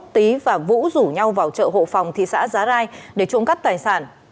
tý và vũ rủ nhau vào chợ hộ phòng thị xã giá rai để trộm cắp tài sản